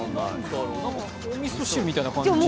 おみそ汁みたいな感じですか。